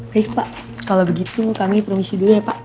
baik pak kalau begitu kami promisi dulu ya pak